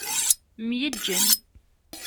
Myeǧǧen.